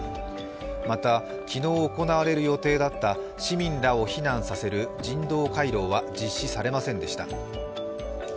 また、昨日行われる予定だった市民らを避難させる人道回廊は実施されませんでした。